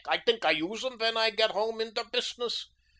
I tink I use 'um vhen I gedt home in der business.